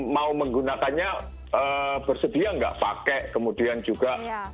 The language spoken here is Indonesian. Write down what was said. mau menggunakannya bersedia nggak pakai kemudian juga